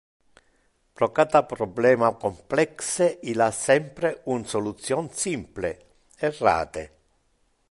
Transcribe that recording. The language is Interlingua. Pro cata problema complexe il ha sempre un solution simple... errate!